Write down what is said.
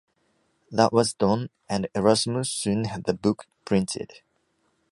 That was done, and Erasmus soon had the book printed.